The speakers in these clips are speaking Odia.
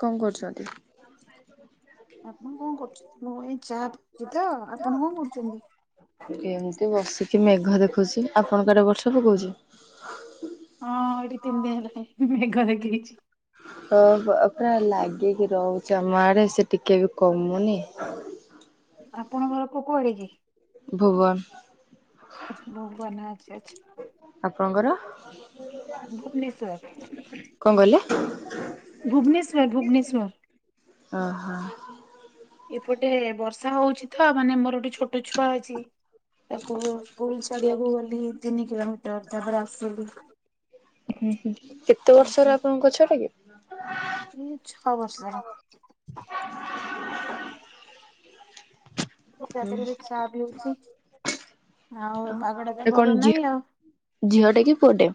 କଣ କରୁଚନ୍ତି। ଆପଣ କଣ କରୁଚନ୍ତି। ମୁଁ ଏଇ ଚା ପିଉଚିତ ଆପଣ କଣ କରୁଚନ୍ତି। ଏମିତି ବସିକି ମେଘ ଦେଖୁଛି। ଆପଣଙ୍କଆଡ଼େ ବର୍ଷା ପକଉଚି। ହଁ ଏଠି ତିନି ହେଲାଣି ମେଘ ଏଇଠି ହେଇଚି। ଓ ହୋ ପୁରା ଲାଗିକି ରହୁଚି ଆମ ଆଡେ। ସେ ଟିକେ ବି କମୁନି। ଆପଣଙ୍କ ଘର କୁ କୁଆଡେ କି? ଭୁବନ। ଆଛା ଭୁବନ ଆଛା ଆଛା। ଆପଣଙ୍କର। ଭୁବନେଶ୍ବର କଣ କହିଲେ? ଭୁବନେଶ୍ଵର ଭୁବନେଶ୍ଵର। ଅଁହଁ। ଏପଟେ ବର୍ଷା ହଉଛି ତ ମାନେ ମୋର ଗୋଟେ ଛୁ ଛୋଟ ଛୁଆ ଅଛି ତାକୁ ସ୍କୁଲ ଛାଡି ଧିଆକୁ ଗଲି ତିନି କିଲମିଟର ତାପରେ ଆସିଲି। ହୁଁ ହୁଁ କେତେ ଆସି ବର୍ଷର ଆପଣଙ୍କ ଛୁଆଟା କି। ଏଇ ଛଅ ବର୍ଷ ହେଲା। ମୁ ରାତି ରେ ବି ଚା ପିଉଚି। ଆଉ ପାଗଟା ତ ଏ କଣ ଭଲ ଝିଅ ନାହିଁ ଆଉ। ଝିଅଟେ କି ପୁଅଟେ?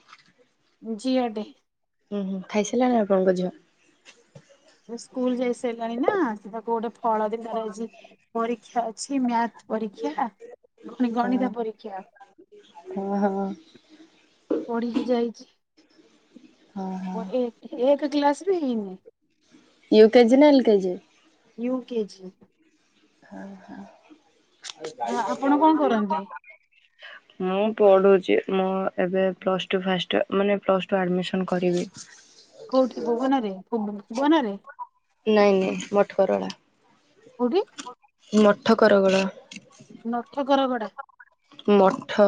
ଝିଅଟେ। ହୁଁ ହୁଁ ଖାଇସାରିଲାଣି ଆପଣଙ୍କ ଯିବା। ସେ ସ୍କୁଲ ଯାଇ ସାରିଲାଣି ନା ସେ ତାକୁ ଗୋଟେ ଫଳ ଦ [unintelligible] ପରୀକ୍ଷା ଅଛି ମ୍ୟାଥ ପରୀକ୍ଷା ଗଣି ଗଣିତ ହଁ ପରୀକ୍ଷା। [unintelligible] ପଢ଼ିକି ଯାଇଚି। ହଁ ହଁ ପୁଅ ଏକ ଏକେ କ୍ଲାସ୍ ବି ହେଇନି। ୟୁ କେଜି ନା ଏଲ କେଜି? U KG. ହଁ ହଁ। ଆ ଆପଣ କଣ କରନ୍ତି? [unintelligible] ମୁଁ ପଢୁଚି ମୁଁ ଏବେ ପ୍ଲସ୍ ଟୁ ଫାଷ୍ଟୟିଅର ମାନେ ପ୍ଲସ୍ ଟୁ ଆଡମିଶନ୍ କରିବି। [inaudible] କୋଉଠି ଭୁବୁନ ରେ ଭୁଭୁ ଭୁବନ ରେ। ନାଇଁ ନାଇଁ ମଠକରଗୋଳା। କୋଉଠି। ମଠକରଗୋଳା। ନଖେଥର ଗଡା ମଠ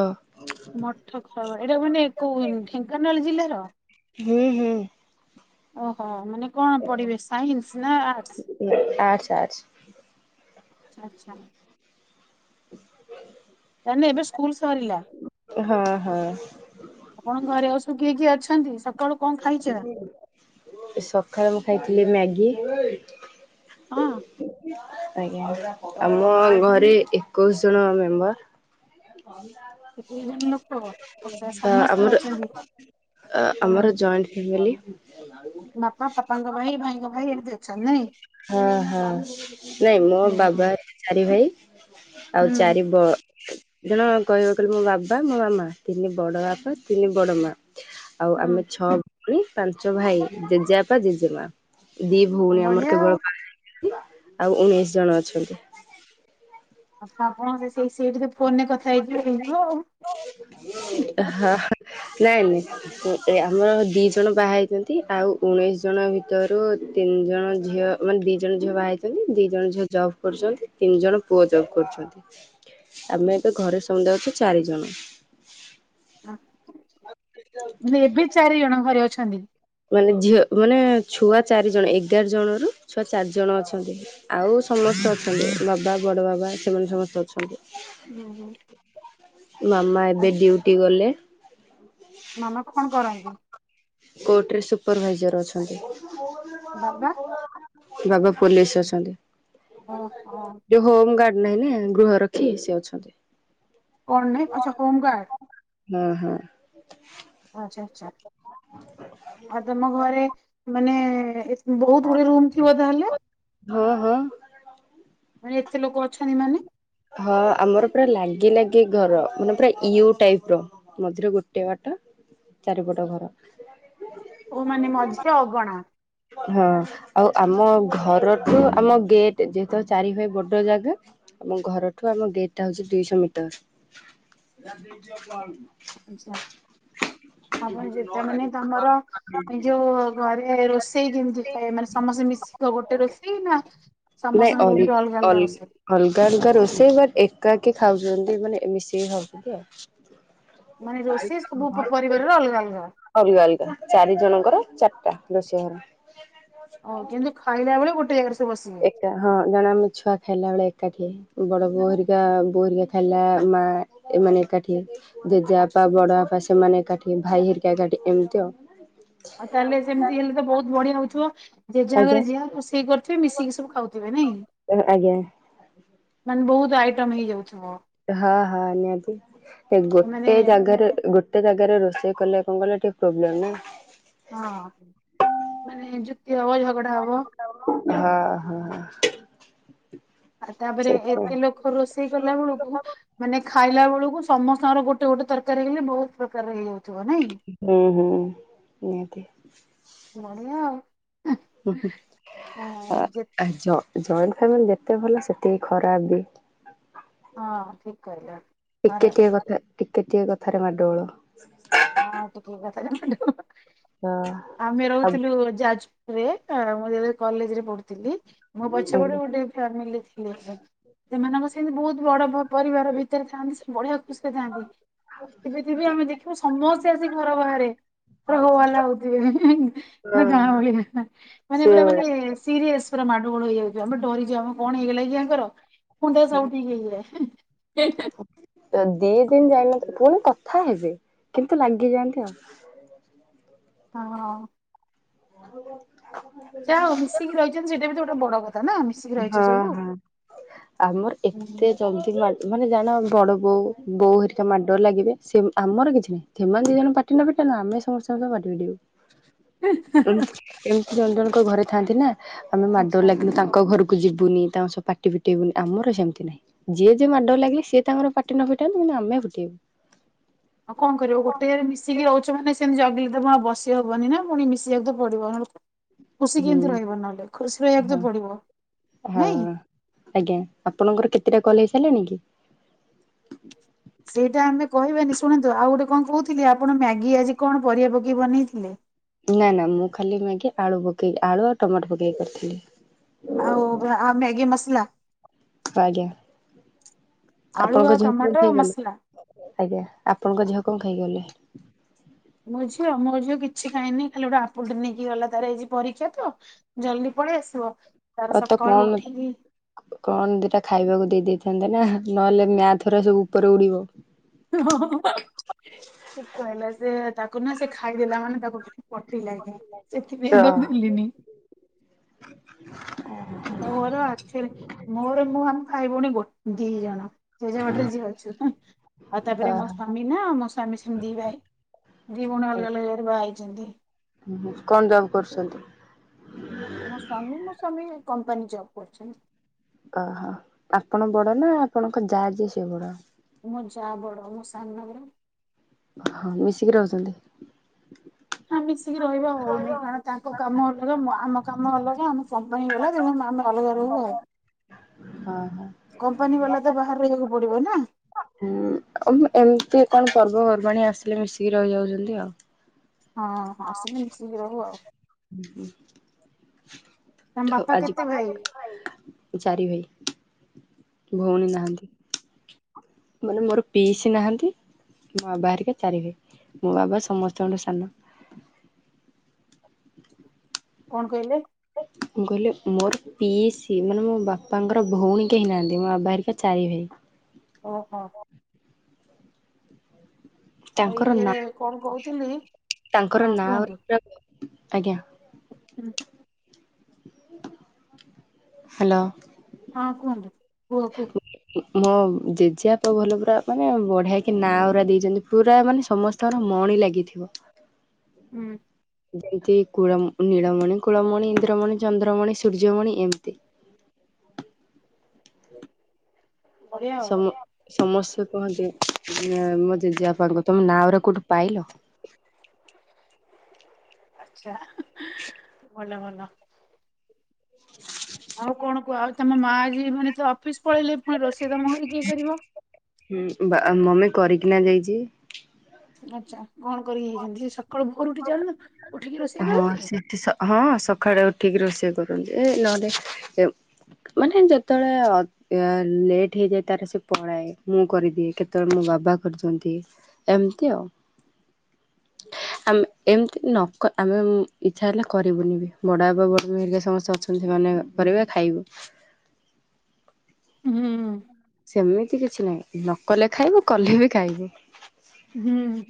ମଠଖରୋଗୋ ଏଇଡ଼ା ମାନେ କୋଉ ଇନି ଢେଙ୍କାନାଳ ଜିଲ୍ଲାର। ହୁଁ ହୁଁ। ଓହୋ ମାନେ କଣ ପଡ଼ିବେ ସାଇନ୍ସ ନା ଆର୍ଟସ୍। ଆର୍ଟ୍ସ ଆର୍ଟ୍ସ ଆଚ୍ଛା ଆଚ୍ଛା। [inaudible] ତାମାନେ ଏବେ ସ୍କୁଲ ସରିଲା। ହଁ ହଁ ଆପଣଙ୍କ ଘରେ ଆଉ ସବୁ କିଏ କିଏ ଅଛନ୍ତି। ସ ଏଇ ସକାଳୁ ମୁଁ ଖାଇଥିଲି ମ୍ୟାଗି। ହଁ। ଆଜ୍ଞ ଆମ ଘରେ ଏକୋଇଶି ଜଣ ମେମ୍ବର। ହଁ ଏକୋଇଶି ଜଣ ଲୋକ ଆଚ୍ଛା ସମସ୍ତେ ଆଉଗୋଟେ ଅଛନ୍ତି ତାମାନେ ଆମର ଜଏଣ୍ଟ ଫ୍ୟାମିଲି। ଅଛ ନାଇଁ। ହଁ ହଁ ନାଇଁ ମୋ ବାବା ହୁଁ ଚାରି ଭାଇ। ଆଉ ହୁଁ ଚାରି ବ ଜଣ କହିବାକୁ କହିଲେ ମୋ ବାବା ମୋ ମାମା ତିନି ବଡ଼ ବାପା ତିନି ବଡ଼ ମା। ଆଉ ହୁଁ। ଆମେ ଛଅ ଉଣୀ ପାଞ୍ଚ ଭାଇ ଜେଜେବାପା ଜେଜେମା। ଦି ଆଉ ଭୋଉଣୀ ଆମର ବଢିଆ ଆଉ କେବଳ ବାହା ହେଇଛନ୍ତି ଆଉ ଉଣେଇଶି ଜଣ ଅଛନ୍ତି। ଆଉ ତ ଆପଣ ସେ ସେଇ ସେଇଠି ଫୋନ୍ ରେ କଥା ହେଇଯିବେ ହେଇଯିବ ଆଉ। ହଁ ହଁ ନାଇଁ ନାଇଁ ଉଁ ଏ ଆମର ଦିଇ ଜଣ ବାହା ହେଇଚନ୍ତି, ଆଉ ଉଣେଇଶି ଜଣ ଭିତରୁ ତିନି ଜଣ ଝିଅ ମାନେ ଦିଜଣ ଝିଅ ବାହା ହେଇଚନ୍ତି ଦିଜଣ ଝିଅ ଜବ୍ କରୁଛନ୍ତି ତିନି ଜଣ ପୁଅ ଜବ୍ କରୁଛନ୍ତି। ଆମେ ଏବେ ଘରେ ସମୁଦଏ ଅଛୁ ଚାରି ଜଣ। [unintelligible] ଏବେ ଚାରି ଜଣ ଘରେ ଅଛନ୍ତି। ମାନେ ଝିଅ ମାନେ ଛୁଆ ଚାରିଜଣ ଏଗାର ଜଣରୁ ଛୁଆ ଚାରି ଜଣ ଅଛନ୍ତି। ଆଉ ସମସ୍ତେ ଅଛନ୍ତି ବାବା ବଡ ବାବା ସେମାନେ ସମସ୍ତେ ଅଛ ହୁଁ ହୁଁ। ମାମା ଏବେ ଡିଉଟି ଗଲେ। ନନା କଣ କରନ୍ତି। କୋର୍ଟରେ ସୁପରଭାଇଜର୍ ଅଛନ୍ତି। ବାବା। ବାବା ପୋଲିସରେ ଅଛନ୍ତି ଓହୋ ଯୋଉ ହୋମ ଗାର୍ଡ। ନାଇଁ ନା ଗୃହ ରଖି ସେ ଅଛନ୍ତି। କଣ ନାହିଁ ଆଛା ହୋମ ଗାର୍ଡ। ଅଁ ହଁ। ଆଛା ଆଛା ଆଉ ତମ ଘରେ ମାନେ ଏ ବହୁତ ଗୁଡେ ରୁମ ଥିବ ତାହେଲେ। ହଁ ହଁ। ମାନେ ଏତେ ଲୋକ ଅଛନ୍ତି ମାନେ? ହଁ ଆମର ପୁରା ଲାଗି ଲାଗି ଘର ମାନେ ପୁରା ୟୁ ଟାଇପ ର। ମଝିରେ ଗୋଟେ ବାଟ ଚାରିପଟ ଘର। ଓ ମାନେ ମଝିରେ ଅଗଣା। ହଁ ଆଉ ଆମ ଘରଠୁ ଆମ ଗେଟ ଯେହେତୁ ଚାରି ଭାଇ ବଡ ଜାଗା। ଆମ ଘରଠୁ ଆମ ଗେଟ୍ ଟା ହଉଚି ଦୁଇଶହ ମିଟର। ଆଛା ଆପଣ ଯେତେ ମାନେ ତମର ଏ ଯୋଉ ଘରେ ରୋଷେ ସେଇ କେମିତି ହୋଏ। ମାନେ ସମସ୍ତେ ମିଶିଯ ଗୋଟେ ରୋଷେଇ ନା ନାଇଁ ସମସ୍ତଙ୍କ ଅଲ ରୁମରେ ଅଲଗା ଅଲ ଅଲଗା ରୋଷେଇ। ଅଲଗା ଅଲଗା ରୋଷେଇ ବଟ ଏକାକି ଖାଉଚନ୍ତି। ମାନେ ମିଶିକି ଖାଉଛନ୍ତି ଆଉ। ମାନେ ରୋଷେଇ ସବୁ ପରିବାରର ଅଲଗା ଅଲଗା। ଅଲଗା ଅଲଗା ଚାରି ଜଣଙ୍କର ଚାରିଟା ରୋଷେଇ ଘର। ହଉ କିନ୍ତୁ ଖାଇଲା ବେଳେ ଗୋଟେ ଜାଗାରେ ସେ ବସିବେ। ଏକା ହଁ ଜଣ ଆମେ ଛୁଆ ଖାଇଲା ବେଳେ ଏକାଠି ହେଇ। ବଡ ବୋଉ ହେରିକା ବୋଉ ହେରିକା ଥିଲା ମା ଏମାନେ ଏକାଠି ହେଇ ଜେଜେବାପା ବଡ ବାପା ସେମାନେ ଏକାଠି ଭାଇ ହେରିକା ଏକାଠି ଏମିତି ଆଉ। ଆଉ ତାହେଲେ ସେମିତି ହେଲେ ତ ବହୁତ ବଢିଆ ହଉଥିବ ଯେ ଯାହା ଆଜ୍ଞା ଘରେ ଯିଆ ସେଇ ସେଥିରେ ମିଶିକି ସବୁ ଖାଉଥିବେ ନାଇଁ ଆଜ୍ଞା। ମାନେ ବହୁତ ଆଇଟମ ହେଇଯାଉଥିବ। ହଁ ହଁ ନିହାତି ସେ ମାନେ ଗୋଟେ ଜାଗାରେ ଗୋ ଗୋଟେ ଜାଗାରେ ରୋଷେଇ କଲେ କଣ କହିଲ ଟିକେ ପ୍ରୋବ୍ଲେମ୍ ନାଇଁ? ହଁ ମାନେ ଯୁକ୍ତି ହବ ଝଗଡା ହବ। ହଁ ହଁ। ଆଉ ତାପରେ ସେଇଥିପାଇଁ ଏତେ ଲୋକ ରୋଷେଇ କଲା ବେଳକୁ ମାନେ ଖାଇଲା ବେଳକୁ ସମସ୍ତଙ୍କର ଗୋଟେ ଗୋଟେ ତରକାରୀ ହେଲେ ବହୁତ ପ୍ରକାର ହେଇଯାଉଥିବ ନାଇଁ? ହୁଁ ହୁଁ ନିହାତି। ବଢ଼ିଆ ଆଉ। [inaudible] ଆ ହଁ ଯେ ଜଏଣ୍ଟ ଫାମିଲି ଯେତେ ଭଲ ସେତିକି ଖରାପ ବି? ହଁ ଠିକ କହିଲ। ଟିକେ ଖରାପ ଟିକେ କଥା ଟିକେ ଟିକେ କଥାରେ ମାଡ ଗୋଳ। ହଁ ଟିକେ କଥାରେ ହଁ। ଆମେ ଆଉ ରହୁଥିଲୁ ଯା ମୁଁ ଯେ କଲେଜରେ ପଢୁଥିଲି ମୋ ଆଜ୍ଞା ପଛପଟ ଗୋଟେ ଫ୍ୟାମିଲି ରେ ଥିଲେ। ସେମାନଙ୍କ ସେମିତି ବହୁତ ବଡ ପରିବାର ଭିତରେ ଥାନ୍ତି ବଢିଆ ଖୁସିରେ ଥାନ୍ତି। ଥିବେ ଥିବେ ଆମେ ଦେଖିବୁ ସମସ୍ତେ ଆସିକି ଘର ବାହାରେ। ପୁରା ହୋ ହାଲା ହଉଥିବେ ହଁ ଗାଁ ଭଳିଆ ମାନେ ପୁରା ସେଇଭଳିଆ। ମାନେ ସିରିଏସ ପୁରା ମାଡୋ ଗୋଳ ହେଇଯାଉଛି ଆମେ ଡରିଯାଉ ଆମ କଣ ହେଇଗଲାକି ଆଙ୍କର? ହୁ ତ ସଉଠି ହେଇ ଯାଏ। ତ ଦି ଦିନ ଯାଇନ ପୁଣି କଥା ହେବେ କିନ୍ତୁ ଲାଗିଯାଆନ୍ତି ଆଉ। ହଁ। ଯାହା ହଉ ମିଶିକି ରହିଛନ୍ତି ସେଇଟା ବି ତ ଗୋଟେ ବଡ କଥା। ନା ମିଶିକି ରହିଛ ହଁ ସବୁ। ହଁ ଆମର ହୁଁ ଏତେ ସେମତି ମାନେ ଜାଣ ବଡ ବୋଉ ବୋଉ ହେରିକା ମାଡର ଲାଗିବେ ସେ ଆମର କିଛି ନାହିଁ। ସେମାନେ ଦି ଜଣ ପାଟି ନ ଫିଟାନ୍ତୁ ଆମେ ସମସ୍ତଙ୍କ ସହ ପାଟି ଫିଟେଇବୁ। ଏତି ଏମିତି ଜଣ ଜଣଙ୍କ ଘରେ ଥାଆନ୍ତି ନା ଆମେ ମାଡର ଆଚ୍ଛା। ଲାଗିଲୁ ତାଙ୍କ ତାଙ୍କ ଘରକୁ ଯୁବୁନି ତାଙ୍କ ସହ ପାଟି ଫିଟେଇବୁନି ଆମର ସେମିତି ନାହିଁ। ଯିଏ ଯିଏ ମାଡ ଲାଗିଲେ ସିଏ ତାଙ୍କର ପାଟି ନ ଫିଟାନ୍ତୁ କିନ୍ତୁ ଆମେ ଫିଟେଇବୁ। ଆଉ କଣ କରିବ ଗୋଟେ ଜାଗାରେ ମିଶିକି ରହୁଛ ମାନେ ସେମିତି ଜଗିଲି ତ ବସି ହବନି ନା ପୁଣି ମିଶିିବାକୁ ତ ପଡିବ। ଖୁସି ହୁଁ କେମତି ରହିବ ନହେଲେ ଖୁସି ରହିବାକୁ ତ ହଁ ପଡିବ ହଁ। ନାଇଁ? ଆଜ୍ଞା ଆପଣଙ୍କର କେତେଟା କଲ୍ ହେଇସାରିଲାଣି କି? ସେଇଟା ଆମେ କହିବାନି ଶୁଣନ୍ତୁ ଆଉ ଗୋଟେ କଣ କହୁଥିଲି ଆପଣ ମ୍ୟାଗି ଆଜି କଣ ପରିବା ପକେଇ ବନେଇଥିଲେ? ନା ନା ମୁଁ ଖାଲି ମ୍ୟାଗି ଆଳୁ ପକେଇକି ଆଳୁ ଆଉ ଟମାଟୋ ପକେଇକି କରିଥିଲି। ଆଉ ଭା-ଆ ମ୍ୟାଗି ମସଲା? ଆଜ୍ଞା ଆପଣଙ୍କ [unintelligible] ଆଳୁ ଆଉ ଆଜ୍ଞା ଟମାଟୋ ଆପଣଙ୍କ ମସଲା। ଝିଅ କଣ ଖାଇକି ଗଲେ? ମୋ ଝିଅ ମୋ ଝିଅ କିଛି ଖାଇନି ଖାଲି ଗୋଟେ ଆପୁଲ ଟେ ନେଇକି ଗଲା ତାର ଏଇ ପରୀକ୍ଷା ତ। ଜଲଦି ପଳେଇ ଆସିବ ଆଉ ତାର ତ ସକାଳୁ କଣ ଉଠିକି କଣ ଦିଟା ଖାଇବାକୁ ଦେଇ ଦେଇଥାନ୍ତେ ନା ନହେଲେ ମ୍ୟାଥଓରା ସବୁ ଉପରେ ଉଡିବ। ଠିକ କହିଲେ ସେ ତାକୁ ନା ସେ ଖାଇଦେଲା ମାନେ ତାକୁ ପଟି ଲାଗେ ସେଥିପାଇଁ ଓହୋ ତ ଦେଲିନି। ମୋର [unintelligible] ମୋର ମୁଁ ଆମ ଭାଇ ଭଉଣୀ ଗୋ ଦି ଜଣ ଜେଜା ବାଡିରେ ଯିଏ ଅଛୁ ନା। ଆଉ ତାପରେ ମୋ ସ୍ଵାମୀ ନା ମୋ ସ୍ଵାମୀ ସେମିତି ଦି ଭାଇ ଦି ଭଉଣୀ ଅଲଗା ଅଲଗା ଜାଗାରେ ବାହା ହେଇଛନ୍ତି। ହୁ କଣ ଜବ କରୁଛନ୍ତି? ମୋ ସ୍ଵାମୀ ମୋ ସ୍ଵାମୀ କମ୍ପାନୀ ଜବ୍ କରିଛନ୍ତି। ଓହୋ ଆପଣ ବଡ଼ ନା ଆପଣଙ୍କ ଯା ଯିଏ ସେ ବଡ? ମୋ ଯା ବଡ ମୁଁ ସାନ ନା। ହଁ ମିଶିକି ରହୁଛନ୍ତି। ହଁ ମିଶିକି ରହିବା ହଉନି କାରଣ ତାଙ୍କ କାମ ଅଲଗା ଆମ କାମ ଅଲଗା ଆମେ ସମ୍ ହେଇଗଲା ଯେମିତି ଅମେ ଅଲଗା ରହିବୁ ଆଉ। [inaudible] ହଁ ହଁ। କମ୍ପାନୀ ବାଲା ତ ବାହା ରେ ରହିବାକୁ ପଡ଼ିବ ନା। ହୁଁ ଆଉ ଏମିତି କଣ ପର୍ବପର୍ବାଣି ଆସିଲେ ମିଶିକି ରହିଯାଉଛନ୍ତି ଆଉ। ହଁ ହଁ ସେମତି ମିଶିକି ରହିବ ଆଉ। ହୁଁ ହୁଁ। ତମ ବାପା ଆଜି କେତେ ଭାଇ ଚାରି ଭାଇ ଭଉଣୀ ନାହାନ୍ତି। ମାନେ ମୋର ପିଇସି ନାହାନ୍ତି। ମୋ ବାବାହେରିକା ଚାରିଭାଇ ମୋ ବାବା ସମସ୍ତଙ୍କଠୁ ସାନ। କଣ କହିଲେ? ମୁଁ କହିଲି ମୋର ପିଇସୀ ମାନେ ମୋ ବାପାଙ୍କର ଭଉଣୀ କେହି ନାହାନ୍ତି ମୋ ବାବା ହେରିକା ଚାରି ଭାଇ। ଓହୋ। ଆଉ ତାଙ୍କର ନାଁ ଇଏ କଣ କହୁଥିଲି ତାଙ୍କର ହଁ ନାଁ କୁହନ୍ତୁ। [unintelligible] ଆଜ୍ଞା। ହ୍ୟାଲୋ। ହଁ କୁହନ୍ତୁ କୁହ କୁହ। ମୋ ଜେଜେପା ଭଲ ପୁରା ମାନେ ବଢ଼ିଆକି ନାଉରା ଦେଇଛନ୍ତି ପୁରା ମାନେ ସମସ୍ତେ ତାର ମଣି ଲାଗିଥିବ। ହୁଁ। ଯେମତି କୁଳ ନୀଳମଣି କୁଳମଣି ଇନ୍ଦ୍ରମଣି ଚନ୍ଦ୍ରମଣି ସୂର୍ଯ୍ୟମଣି ଏମିତି। ବଢିଆ ଆଉ ସମ ସମସ୍ତେ କୁହନ୍ତି ମୋ ଜେଜେଆପାଙ୍କୁ ତମେ ନାଁଉରା କୋଉଠୁ ପାଇଲ? ଆଛା ଭଲ ଭଲ। [inaudible] ଆଉ କଣ କୁହ ଆଉ ତମ ମା ଯିଏ ମାନେ ତ ଅଫିସ ପଳେଇଲେ ପୁଣି ରୋଷେଇ ତମ ଘରେ କିଏ କରିବ? ହୁଁ ବା ମମି କରିକିନା ଯାଇଛି। ଆଚ୍ଛା କଣ କରିକି ଯାଇଛନ୍ତି ସେ ସକାଳୁ ଭୋର ଉଠି ଯାଆନ୍ତି ଉଠିକି ରୋଷେଇ ହଁ କରନ୍ତି। ସେଠି ସ ହଁ ସକାଳୁ ଉଠିକି ରୋଷେଇ କରନ୍ତି ଏ ନହେଲେ ମାନେ ଯେତେବେଳେ ଅ ଲେଟ୍ ହେଇଯାଏ ତାର ସେ ପଳାଏ ମୁଁ କରିଦିଏ କେତେବେଳେ ମୋ ବାବା କରୁଛନ୍ତି। ଏମିତି ଆଉ। ଆମେ ଏମିତି ନକ ଆମେ ଇଚ୍ଛା ହେଲେ କରିବୁନି ବି ବଡ଼ ବାବା ବଡ଼ ମା ହେରିକା ସମସ୍ତେ ଅଛ ସେମାନେ କରିବେ ଖାଇବୁ। ହୁଁ। ସେମିତି କିଛି ନାହିଁ ନ କଲେ ଖାଇବୁ କଲେ ବି ଖାଇବୁ। ହୁଁ।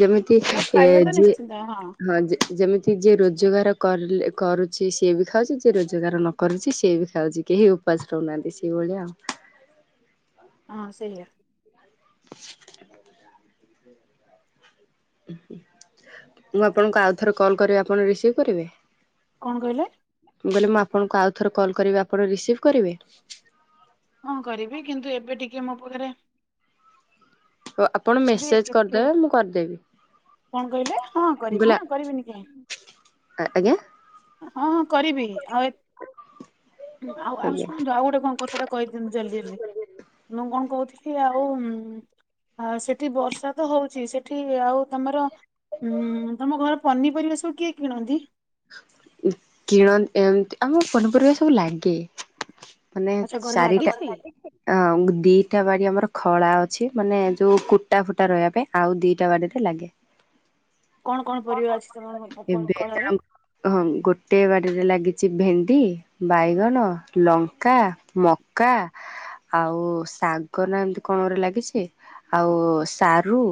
ଯେମିତି ଆଉ ଖାଇବା ତ ଯିଏ ନିଶ୍ଚିନ୍ତ ହଁ ଯେମିତି ଯିଏ ରୋଜଗାର କର କରୁଛି ସିଏ ବି ଖାଉଛି ଜିଏ ରୋଜଗାର ନ କରୁଛି ସିଏ ବି ଖାଉଛି କେହି ଉ ପାସ୍ ରହୁନାହାନ୍ତିି ସେଇ ଭଳିଆ ଆଉ [inaudible] ହଁ ସେଇଆ। [inaudible] ମୁଁ ଆପଣଙ୍କୁ ଆଉଥରେ କଲ୍ କରିବି ଆପଣ ରିସିଭ କରିବେ? କଣ କହିଲେ? ମୁଁ କହିଲି ମୁଁ ଆପଣଙ୍କୁ ଆଉଥରେ କଲ କରିବି ଆପଣ ରିସିଭ କରିବେ। ହଁ କରିବି କିନ୍ତୁ ଏବେ ଟିକେ ମୋ ପାଖରେ ଓ ଆପଣ ଏବେ ମେସେଜ୍ କେତେ କରିଦେବେ ମୁଁ କରିଦେବି। କଣ କହିଲେ ହଁ ମୁଁ କହିଲି ଆ କରିବିନି କରିବିନି କାହିଁ? ଆଜ୍ଞା। ହଁ ହଁ କରିବି ଆଉ ଏ ହ ଆଉ ଆଉ ଆଜ୍ଞା। ଶୁଣନ୍ତୁ ଆଉ ଗୋଟେ କଥାଟା କହିଦେଲି ଜଲ୍ଦି ଜଲ୍ଦି, ମୁଁ କଣ କହୁଥିଲି ଆଉ ଆ ସେଠି ବର୍ଷା ତ ହଉଛି, ସେଠି ଆଉ ତମର ହୁଁ, ତମ ଘର ପନିପରିବା ସବୁ କିଏ କିଣନ୍ତି? କିଣ ଏମ ଆମ ପନିପରିବା ସବୁ ଲାଗେ। ମାନେ ଆଚ୍ଛା ଘରେ ଚାରିଟା ଲାଗିଛି? ଅ ଦିଟା ବାଡ଼ି ଆମର ଖଳା ଅଛି, ମାନେ ଯୋଉ କୁଟା ଫୁଟା ରହିବା ପାଇଁ, ଆଉ ଦିଟା ବାଡ଼ିରେ ଲାଗେ। [inaudible] କଣ କଣ ପରିବା ଅଛି ତମର ଏବେ କଳାରେ? ଜଣଙ୍କ ହଁ ଗୋଟେ ବାଡ଼ିରେ ଲାଗିଛି ଭେଣ୍ଡି ବାଇଗଣ, ଲଙ୍କା, ମକା ଆଉ ଶାଗ ନା ଏମତି କଣ ଗୁରେ ଲାଗିଛି, ଆଉ ସାରୁ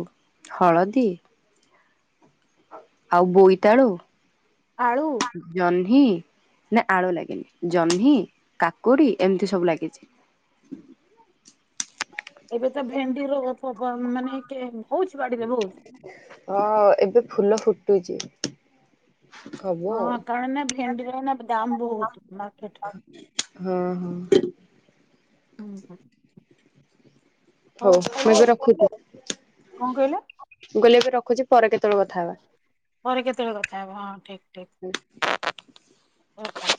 ହଳଦୀ ଆଉ ବୋଇତାଳୁ ଆଳୁ ଜହ୍ନି, ନା ଆଳୁ ଲାଗେନି, ଜହ୍ନି କାକୁଡି ଏମିତି ସବୁ ଲାଗିଛି। ଏବେ ତ ଭେଣ୍ଡି ର ମାନେ ହଉଛି ବାଡିରେ ବହୁତ ହଁ ଏବେ ଫୁଲ ଫୁଟୁଛି? [unintelligible] ହଁ କାହିଁକି ନା ଭେଣ୍ଡିର ଏନା ଦାମ ବହୁତ ମାର୍କେଟରେ ହଁ ହଁ ହୁଁ ହୁଁ ହଉ ଏବେ ରଖୁଛି। କଣ କହିଲେ ମୁଁ କହିଲି ଏବେ ରଖୁଛି ପରେ କେତେବେଳେ କଥା ହେବା। ପରେ କେତେବେଳେ କଥା ହେବ ହଁ ଠିକ ଠିକ। [inaudible] ରଖ।